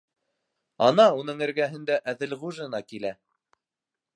Ана, уның эргәһенә Әҙелғужина килә.